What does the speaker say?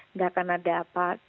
nggak akan ada apa